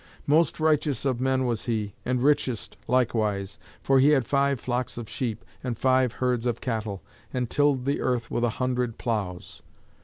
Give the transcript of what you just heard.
Most righteous of men was he, and richest likewise, for he had five flocks of sheep and five herds of cattle, and tilled the earth with a hundred ploughs.